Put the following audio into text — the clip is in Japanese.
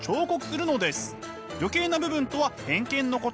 余計な部分とは偏見のこと。